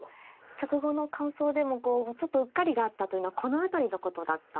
局後の感想でもちょっとうっかりがあったというのはこの辺りのことだったんですね。